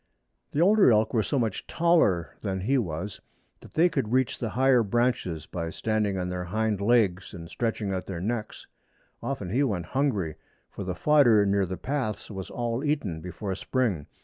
The older elk were so much taller than he was that they could reach the higher branches by standing on their hind legs and stretching out their necks. Often he went hungry, for the fodder near the paths was all eaten before spring.